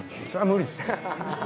それは無理っす。